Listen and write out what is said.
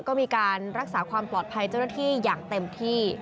ก็มีการรักษาความปลอดภัยเจ้าหน้าที่อย่างเต็มที่